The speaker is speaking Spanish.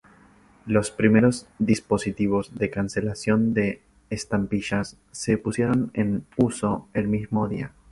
Los primeros dispositivos de cancelación de estampillas se pusieron en uso el mismo día.